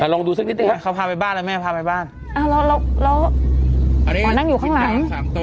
ลองดูซักนิดดีมันมานั่งอยู่ข้างหลัง